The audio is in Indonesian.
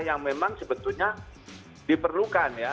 yang memang sebetulnya diperlukan ya